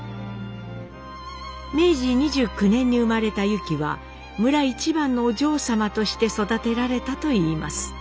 明治２９年に生まれたユキは村一番のお嬢様として育てられたといいます。